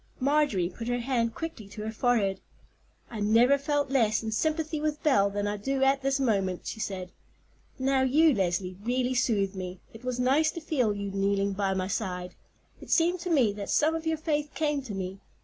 Marjorie put her hand quickly to her forehead. "I never felt less in sympathy with Belle than I do at this moment," she said. "Now, you, Leslie, really soothe me; it was nice to feel you kneeling by my side. It seemed to me that some of your faith came to me.